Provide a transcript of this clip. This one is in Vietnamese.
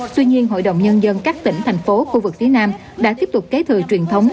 tuy nhiên hội đồng nhân dân các tỉnh thành phố khu vực phía nam đã tiếp tục kế thừa truyền thống